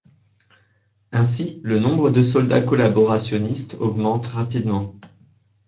Ainsi, le nombre de soldats collaborationnistes augmente rapidement.